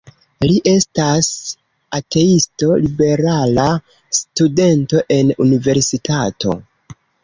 Li estas ateisto, liberala studento en universitato.